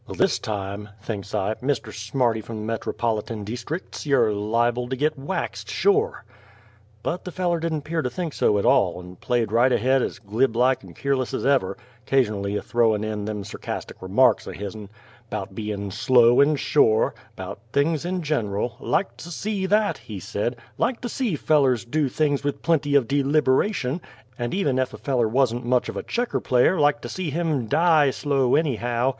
"'L! this time," thinks I, "Mr. Smarty from the _me_trolopin deestricts, you're liable to git waxed shore!" But the feller didn't 'pear to think so at all, and played right ahead as glib like and keerless as ever 'casion'ly a throwin' in them sircastic remarks o' his'n, 'bout bein' "slow and shore" 'bout things in gineral "Liked to see that," he said: "Liked to see fellers do things with plenty o' deliberation, and even ef a feller wuzn't much of a checker player, liked to see him die slow anyhow!